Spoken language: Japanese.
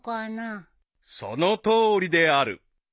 ［その通りである］